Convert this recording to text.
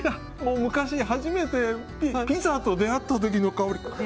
昔、初めてピザと出会った時の香り。